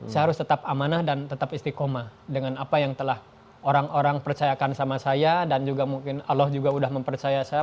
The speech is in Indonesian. saya harus tetap amanah dan tetap istiqomah dengan apa yang telah orang orang percayakan sama saya dan juga mungkin allah juga sudah mempercaya saya